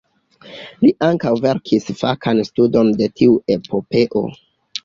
Li ankaŭ verkis fakan studon de tiu epopeo.